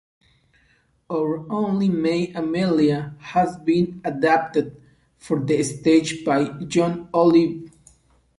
"Our Only May Amelia" has been adapted for the stage by John Olive.